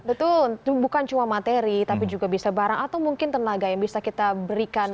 betul bukan cuma materi tapi juga bisa barang atau mungkin tenaga yang bisa kita berikan